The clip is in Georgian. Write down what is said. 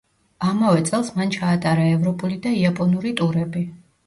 ამავე წელს მან ჩაატარა ევროპული და იაპონური ტურები.